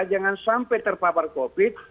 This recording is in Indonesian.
jangan sampai terpapar covid